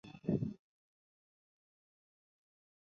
তবে কোণঠাসা অবস্থা থেকে যেভাবে ঘুরে দাঁড়িয়েছিল, ড্র-টাও হতো জয়ের সমান।